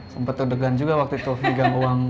sempat terdegan juga waktu itu pegang uang